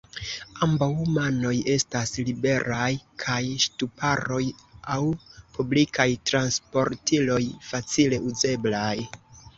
Ambaŭ manoj estas liberaj kaj ŝtuparoj aŭ publikaj transportiloj facile uzeblaj.